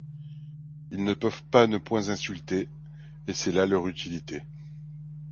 Ils ne peuvent pas ne point insulter, et c’est là leur utilité.